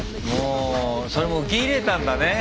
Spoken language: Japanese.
それも受け入れたんだね。